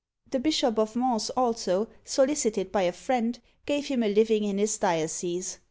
The Bishop of Mans also, solicited by a friend, gave him a living in his diocese.